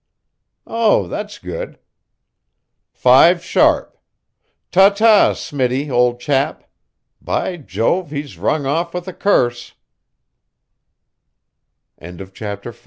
Oh, that's good. Five sharp. Tata, Smitty, old chap. By Jove, he's rung off with a curse CHAPTER VI.